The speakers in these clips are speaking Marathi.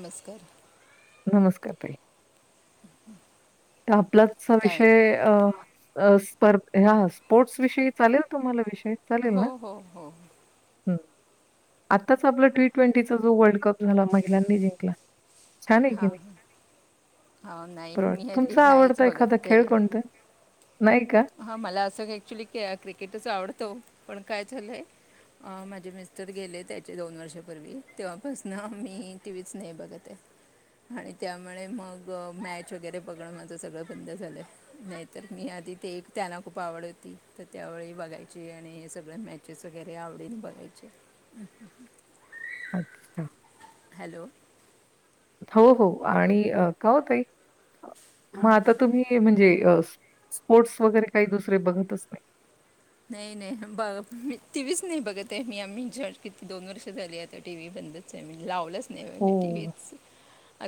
नमस्कार नमस्कार तई हम् हम् तर आपलाच विषय अ स्पर् ह्या स्पोर्ट्स विषयी चालेल तुम्हाला विषय हो हो हो ह् आताच आपला टी ट्वेंटीचा जो वर्ल्ड कप झाला महिलांनी जिंकला छान आहे की हा नाही? हा नाही मी तुमच हल्ली नाहीच आवडत एखादा खेळ कोणत हा मला असं ऍक्च्युली क्रिकेटच आवडतो पण काय झालंय अ माझे मिस्टर गेले त्याचे दोन वर्षापूर्वी तेव्हापासून मी टी व्हीच न बघत आहे आणि त्यामुळे मग मॅच वगैरे बघणं माझं सगळं बंद झालंय नाहीतर मी आधी ते त्यांना खूप आवड होती तर त्यावेळी बघायची आणि सगळं मॅचेस वगैरे आवडीने बघायचे [inaudible] अच्छा हॅलो हो हो आणि का होतई मग आता तुम्ही म्हणजे स्पोर्ट्स वगैरे काही दुसरे बघतच नाही नाही नाही बघ मी तीच नाही बघत आहे मी आम्ही ज किती दोन वर्ष झाली आहे टी व्ही ब अंदच आहे मी लावलंच नाही म्हणजे टी ओह! व्हीच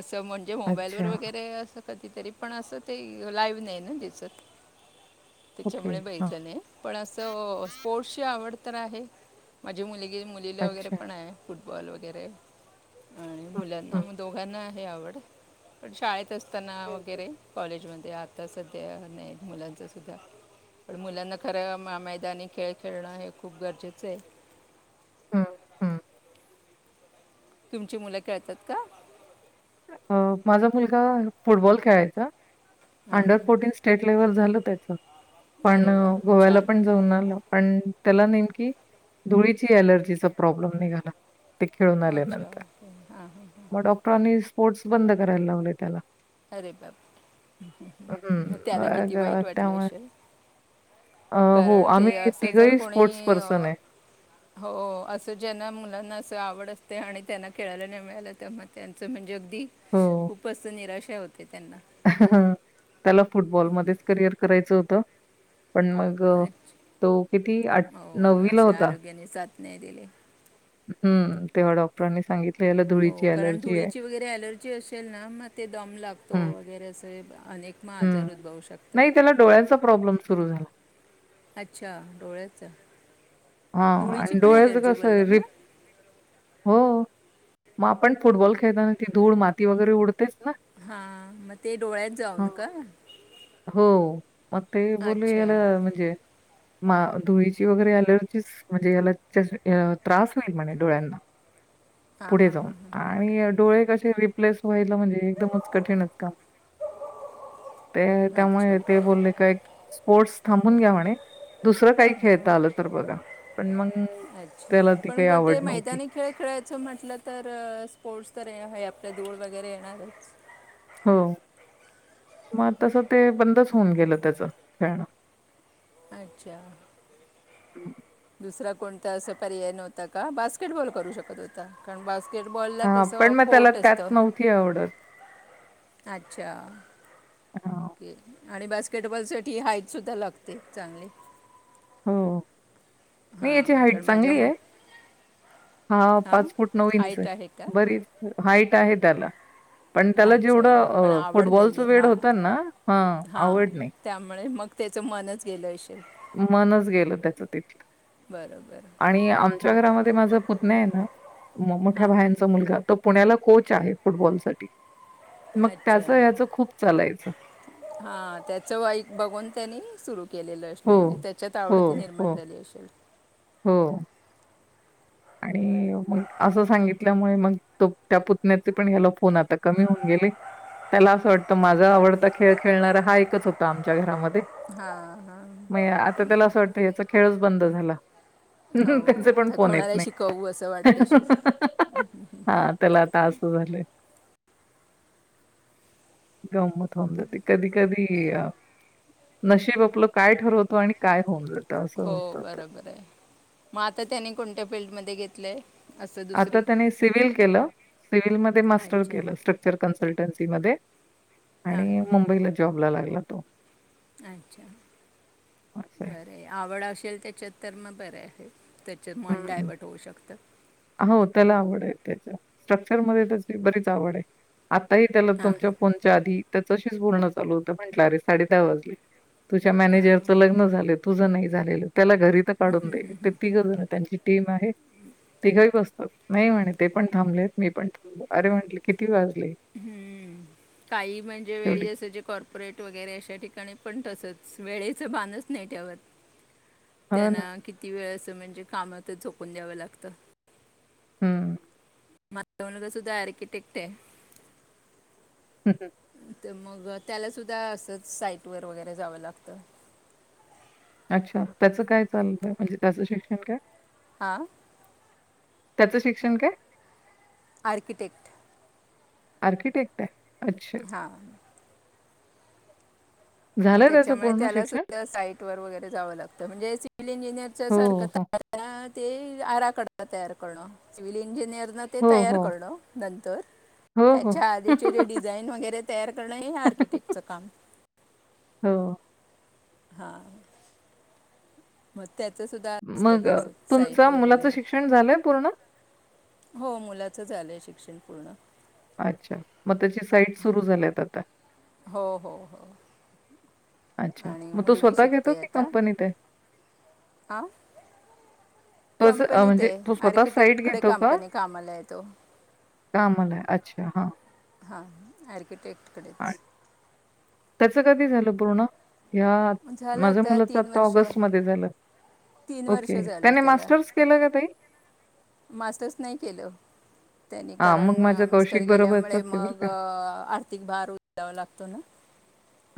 असं म्हणजे मोबाईलवर अच्छा. वगैरे असं कधीतरी पण असं ते लाईव्ह नाही ना त्याचत ओके. त्याच्यामुळे हां. बहिलं नाही पण असं स्पोर्ट्सची आवड तर आहे माझी मुलगी मुलीला वगैरे अच्छा. पण आहे फुट फुटबॉल वगैरे आणि हं, मुलांना हं. मग दोघांना हे आवड पण शाळेत असते असताना हं, हं. वगैरे कॉलेजमध्ये आता सध्या नाही मुलांच सुद्धा पण मुलांना खरं मैदानी खेळ खेळणं हे खूप गरजेचं आहे हम हम् तुमची मुलं खळतात का माझा मुलगा फुटबॉल खेळायचा हां अंडर हां फोर्टीन स्टेट फ्लेवर झालं त्याचं, पण अरे वा गोव्याला छान पण जाऊन आलं पण त्याला नेमकी धुळीची अलर्जीचा प्रॉब्लेम निघाला. ते खेळून अच्छा आल्यानंतर, ओके हां हां मग डॉक्टरांनी स्पोर्ट्स बंद करायला लावलंय त्याला. अरे बाप रे! हं, मग त्याला किती अ, वाईट वाटलं त्यामुळे असेल. अ हो, कारण ते आम्ही असं जर तिघंही कोणी स्पोर्ट्स अ, पर्सन आहे. हो, असं ज्यांना मुलांना आवड असते आणि त्यांना खेळायला नाही मिळालं तेव्हा त्यांचं, म्हणजे अगदी हो. खूप असं निराश हे होते त्यांना. त्याला फुटबॉलमध्येच करिअर करायचं होतं. पण मग अ अच्छ- तो किती आठ नववीला होता नाय दिले. हम्म, तेव्हा डॉक्टरांनी सांगित हो, कारण धुळीची वगैरे अलर्जी असेल ना मग ते दम लागतो वगैरे असं आ हम्म, नाही त्याला डोळ्याचा प्रॉब्लेम सुरू झाला. अच्छा, डोळ्याचा. हा धुळीची आणि पण डोळ्याचं ॲलर्जी कसंय बोलला ना रिप हो मग आपण फुटबॉल खेळताना ती धूळ माती वगैरे उड हा, मग ते डोळ्यात हां. जाऊन का? हो, मग ते बोलले याला अच्छा म्हणजे मा धुळीची वगैरे अलर्जीच म्हणजे याला ज त्रास होईल म्हणे डोळ्यांना. हां पुढे हां जाऊन आणि डोळे कशे रिप्लेस व्हायला म्हणजे एकदमच कठीणच काम. ते हां अच्छा त्यामुळे ते बोलले का एक स्पोर्ट्स थांबून घ्या म्हणे. दुसरं काही हां खेळता आलं तर बघा, पण मग अच्छा, त्याला ती पण काही कुठे आवड नव्हती. मैदानी खेळ खेळायचं म्हटलं तर अ स्पोर्ट्स तर ह हय तर धूळ वगैरे येणारच. हो, मग तसं ते बंदच होऊन गेलं त्याचं खेळणं. अच्छा, हं. दुसरा कोणता असा पर्याय नव्हता का? बास्केटबॉल करू शकत होता, कारण बास् केटबॉल ला हां, कसं पण मग त्याला कोर्ट त्यात असतं, नव्हती आवडत अच्छा. हां, के आणि बास्केटबॉल साठी हाईट सुद्धा लागते चांगली. हो, नाय हां याची हाईट कारण माझ्या चांगली मु आहे. हा हां पाच फूट नऊ इंच आहे, हाईट का बरीच हाईट आहे त्याला. पण त्याला अच्छा जेवढं पण अ आवड फुटबॉलच नाही आहे वेड होतं हां ना, ह आवड हां नाय. त्यामुळे मग त्याचं मनच गेलंय श मनच गेलं त्याचं तिथलं. बरोबर आणि आमच्या घरामध्ये माझा पुतन्या आहे ना, मो मोठ्या हां भायांचा मुलगा तो पुण्याला कोच आहे फुटबॉल साठी, मग त्याचं याच खूप चालाय हा त्याचं वाईक बघून त्यानी सुरू केलेलं असणार हो, म्हणजे त्याच्यात हो, आवड ती निर्माण हो, झाली असेल. हो. आणि मग असं सांगितल्यामुळे मग तो त्या पुतण्याचे पण ह्याला फोन आता कमी होऊन गे ले, त्याला असं वाटतं माझा आवडता खेळ खेळणारा हा एकच होता आमच्या घरामध्ये. मग ए आता त्याला असं वाटतं याचा खेळच बंद झाला. हो त्याचे पण आता फोन येत कोणाला नाही. शिकवू असं वाटत असेल हा त्याला आता असं झालंय. गंमत होऊन जाते, कधी कधी अ नशीब आपलं काय ठरवतो आणि काय होऊन जा हो बरोबर आहे, मग आता त्याने कोणत्या फील्ड मध्ये घेतलंय? आता त्याने सिव्हल केलं, सिव्हलमध्ये मास्टर अच्छा केलं स्ट्रक्चर कन्स लटंसी मध्ये हां आणि मुंबईला जॉबला लागला तो. अच्छा, असं आहे. बरंय आवड असेल त्याच्यात तर मग बरंय हे. हम्म, हो त्याला आवड आहे. त्याच्या स्ट्रक्चर मध्ये त्याची बरीच आवड आहे, आता ही त्याला हां तुमच्या हां. फोनच्या आधी त्याच्याशीच बोलणं चालू होतं, म्हटलं अरे साडे दहा वाजले, तुझ्या मॅनेजरचं लग्न झालेत. तुझं नाही झालेलं, त्याला घरी तर काढून दे, ते तिघं जण आहेत त्यांची टीम आहे तिघंही ब सतात, नाही म्हणे ते पण थांबलेत मी पण थांबलो, अरे म्हटले किती वाज हम्म, काही म्हणजे वेळी शेवटी?" असं जे कॉर्पोरेट वगैरे अश्या ठिकाणी पण तसंच, वेळेचं भानच नाही ठेवत, "हो ना." त्यांना किती वेळे म्हणजे कामातच‌ झोकून द्यावं लागतं. हम्म. माझा मुलगा सुद्धा आर्किटेक्ट आहे. हम हम. तर मग त्याला सुद्धा असंच साईटवर वगैरे जावं लागतं. अच्छा त्याचं काय चालत म्हणजे त्याचं शिक्षण काय? हां? त्याचं शिक्षण काय? आर्कीटेक्ट. आर्किटेक्ट आहे. "अच्छा. हां. मग झालंय त्याचं त्याच्यामुळे पूर्ण त्याला शिक्षण?" सुद्धा साईट वर वगैरे जावं लागतं म्हणजे सिव्हल इंजिनियरच्या "हो, हो. सारखं ते आराखडता तयार करणं सिव्हल इंजिनिअर पण ते हो, तयार हो." करणं नंतर हो, हो. त्याच्या आधीचे जे डिझाईन वगैरे तयार करणं हे आर्किटेक्टचं काम. हो. हां. म त्याच सुद्धा मग असतात अ, अस तुमचं साईटवर मुलाचं वगैरे शिक्षण झालंय पूर्ण? हो मुला चं झालंय शिक्षण पूर्ण. अच्छा! मग त्याची साईट सुरू झाल्यात आता? हो, हो, हो. अच्छा! आणि मग तो मुलगी स्वतः घेतो शिकते की कंपनीत आहे? आं तो अस म्हणजे तो स्वतः साईट घेतो का कंपनी कामाला आहे तो कामाला आहे? अच्छा हा. हा हा, आर्किटेक्टकडेच. त्याचं कधी झालं पूर्ण? ह्या झालं माझ्या मुलाचं तीन आता वर्ष ऑगस्ट मध्ये झालं. तीन वर्ष ओके, झाले त्याने त्याला मास्टर्स केलंय का ताई? मास्टर्स नाही केलं. त्यानी हां, कारण मग माझ्या मिस्टर कौशिक गेल्यामुळे बरोबरचाच आहे मग बरं अ का. आर्थिक भार उचलावा लागतो ना.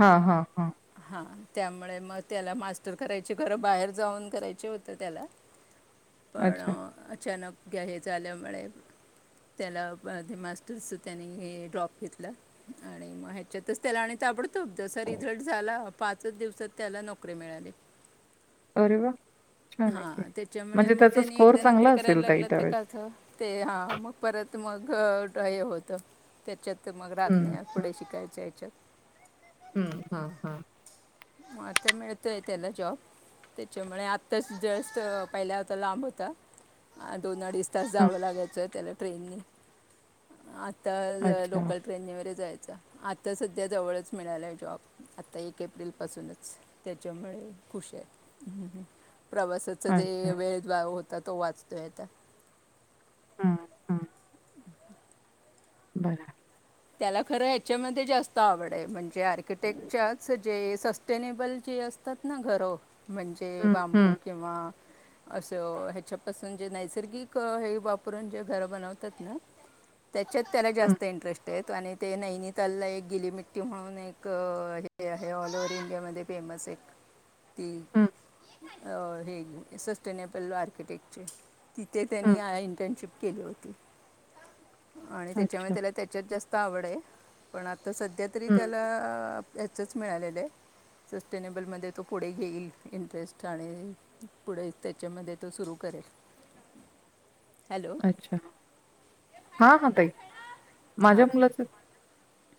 हा हा हा. हा, त्यामुळे मग त्याला मास्टर करायचे, खरं बाहेर जाऊन करायचे होते त्याला. [inaudible] पण अच्छा. अ अचानक घ्या हे झाल्यामुळे त्याला मध्ये मास्टर्सच त्यानी हे ड्रॉप घेतलं, आणि मग ह्याच्यातच त्याला आणि ताबडतोब जसा रिझल्ट झाला, पाचच दिवसात त्याला नोकरी मिळाली. अरे वा! हा, त्याच्यामुळे मग त्यांनी स्कोर एकदा नोकरी चांगला करायला असेल ताई लागला ते त्यावेळेस. का तर, ते हा मग परत मग अ ड हे होतं त्याच्यात मग राहत हं, नाही पुढे शिकायच्या हेच्यात. हम्म हम्म हम्म. मग आता मिळतय त्याला जॉब त्याच्यामुळे आ तस जास्त पहिल्या होता लांब होता दोन अडीच तास हं. जावं लागायचं आहे त्याला ट्रेननी आत्ता अच्छा, लोकल ट्रेननीवरे जायचं च्छ आता सध्या जवळच मिळालं आहे जॉब आत्ता एक एप्रिलपासूनच त्याच्यामुळे खुश आहे हम्म हम् प्रवासाचा जे अच्छा. वेळ होता तो वाचतोयता हा हा बरा... त्याला खरं ह्याच्यामध्ये जास्त आवड आहे म्हणजे आर्किटेक्टच्या जे सस्टेनेबल जे असतात ना घरं म्हणजे हं, बांबू हं, किंवा असं ह्याच्यापासून जे नैसर्गिक हे वापरून जे घर बनवतात ना. ह त्याच्यात त्याला जास्त इंटरेस्ट आणि ते नैनीतालला एक गिली मिट्टी म्हणून एक हे आहे ऑल ओव्हर इंडिया म फेम. मसेिक ती हं, अ हे सस्टेनेबल आर्किटेक्चर तिथे हं. त्यांनी इंटर्नशिप केली होती आणि त्याच्यामुळे अच्छा. त्याला त्या त्याच्यात जास्त आवड आहे पण आता सध्या तरी हं. त्याला ह्याचच मिळालेलं आहे. सस्टेनेबल मध्ये तो पुढे घेईल इंटरेस्ट आणि पुढे त्याच्यामध्ये तो सुरू कर करे [unintelligible] अच्छा हा हा तई माझ्या हां मुलाचे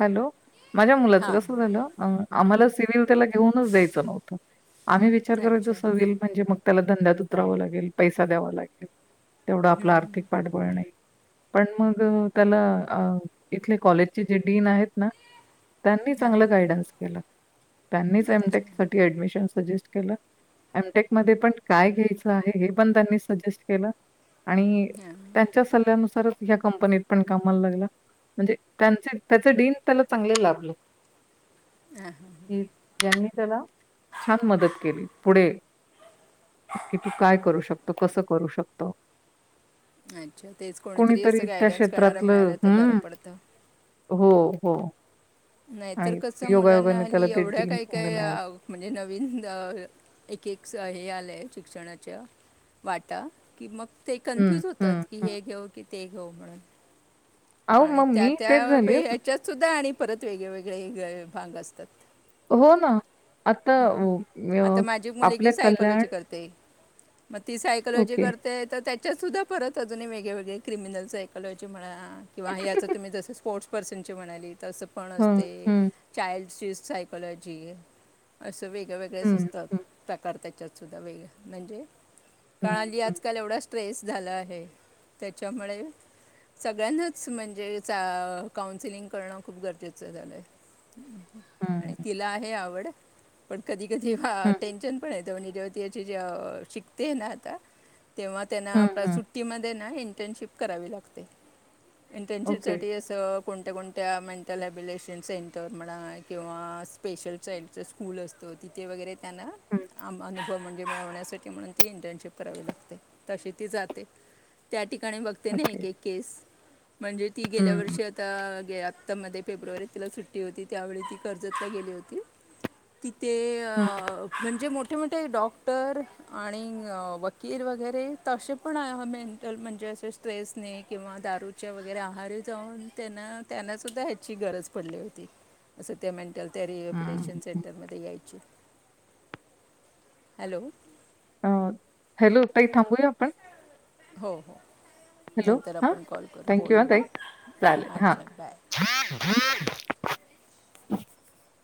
हॅलो माझ्या मुलाचं हां कसं हां झालं अ आम्हाला सिव्हिल त्याला घेऊनच द्यायचं नव्हतं आम्ही विचार करायचो अच्छा सव्हल म्हणजे मग त्याला धंद्यात उतरावं लागेल पैसा द्यावा लागेल तेवढं आपला अर्थ पण मग त्याला इथले कॉलेजचे जे डीन आहेत ना त्यांनी हां चांगलं गायडनस के त्यांनी हां एमटेक अच्छा साडमिशन े केमटेक म पण काय घ्यायचं आहे हे पण त्यांनी सजेस्ट केलं आणि हां त्याच्या सल्ल्यानुसारच ह्या कंपनीत पण कामाला लागला म्हणजे त्यां त्याच डडीन त्याला चांगले लाभलं हम् हम् हम् त्याला छान मदत केली पुढे की तू काय करू शकतो कसं करू शकत अच्छा तेच कोणीतरी असं गायडन्स करणार क्षेत्रातलं मिळालं तर बरं हं, पडतं हो, हो. नाहीतर आणि कस मुलांना योगायोगाने हली त्याला ते एवढ्या डीन काय चांगलं काय मिळालं. म्हणजे नवीन एक एक हे आलंय श् वाट कि मग ते हं, कन्फ्युज हं, होतात की हं. हे घेऊ की ते घो म्हणून अहो, आणि मग त्या मी त्या तेच झाले हच्यात सुद्धा आणि परत वेगळेवेेगळे भाग असतात हो ना आता आता माझी आपल्या मुलगी कल्याण सायकोलॉजी करते मग ती सायकॉोलॉजी ओके. करते तर त्याच्यात सुद्धा परत अजूनही वेगळेवेगळे क्रिमिनल सायकॉोलॉजी म्हणा कि तुम्ही ज स्पोर्ट पर्सन म्हणा तस पण अस हं, हं, चाड सायकॉलॉजी असं वेगळेवेगळेच हं, असतात हं, प्रकार त्याचे त्यातद्धा वेग म्हणजे हं, कणाली हं, आजकाल एवढाच स्ट्रेस झालं आहे त्याच्यामुळे सगळ्यांनाच म्हणजे काउन्सिलिंग करणं खूप गरजेचं झालंय आणि हं, तिला आहे आवड पण कधी कधी हं, टेन्शन पण येत म्हणजे जेव्हा त याचे शिकते ना आता तेव्हा हं, त्यांना हं. सुट्टीमध्ये ना इंटर्नशिप करावी लागते इंटर्नशिप ओके. साठी असं कोणत्या कोणत्या त्या मेंटल ॲबिलेशन सेंटर म्हणा किंवा स्पेशल सेंटर्स. स्कूल असतो तिथे वगैरे त्यांना हं, अनुभव म्हणजे मिळवण्यासाठी. ण इंटशिप करा लागते तशी त. ठिकाणी बघते ना ओके. एक एक केस. म्हणजे ती गेल्या हं, वर्षी आता. आता मध्ये फेब्रुवारीत तिला सुट्टी होती त्यावेळी ती कर्जतला गेली होती. ते हं, म्हणजे मो मोठे-मोठे डॉक्टर आणि वकील वगैरे ते पण मेंटल म्हणजे. स्ट्रेस किंवा दारूच्या वगैरे आहारी जाऊन त्यांना सुद्धा ह्याची गरज पडली. हं, हं. [unintelligible] हॅलो. अ हॅलो काही थांबूया आपण. हो हो. हॅलो नंतर हां, आपण कॉल करू थँक यू बोलू हां हा ताई. चालेल हां. अच्छा बाय. [inaudible]